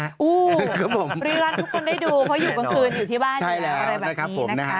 รีรันทุกคนได้ดูเพราะอยู่กลางคืนอยู่ที่บ้านอยู่แล้วอะไรแบบนี้นะคะ